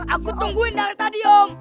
aku tungguin dari tadi om